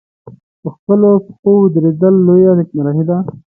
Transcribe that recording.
په خپلو پښو ودرېدل لویه نېکمرغي ده.